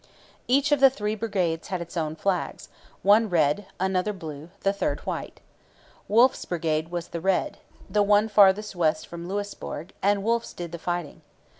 Each of the three brigades had its own flag one red, another blue, and the third white. Wolfe's brigade was the red, the one farthest west from Louisbourg, and Wolfe's did the fighting.